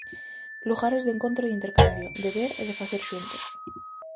Lugares de encontro e de intercambio, de ver e de facer xuntos.